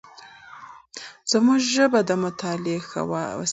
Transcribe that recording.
زموږ ژبه د مطالعې ښه وسیله ده.